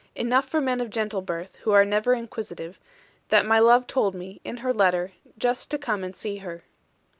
Enough for men of gentle birth (who never are inquisitive) that my love told me, in her letter, just to come and see her.